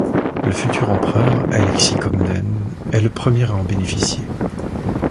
Le futur empereur Alexis Comnène est le premier à en bénéficier.